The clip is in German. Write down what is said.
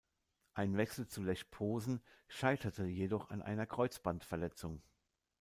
Ein Wechsel zu Lech Posen scheiterte jedoch an einer Kreuzbandverletzung.